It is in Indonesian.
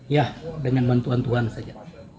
ya dengan bantuan tuhan saja